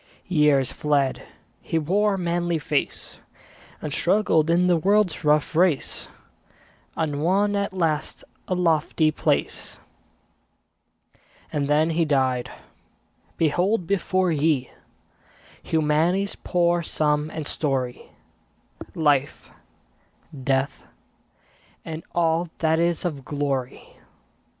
Years fled; he wore a manly face, And struggled in the world's rough race, And won at last a lofty place. And then he died! Behold before ye Humanity's poor sum and story; Life, Death, and all that is of glory.